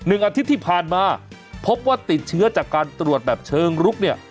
อาทิตย์ที่ผ่านมาพบว่าติดเชื้อจากการตรวจแบบเชิงลุกเนี่ย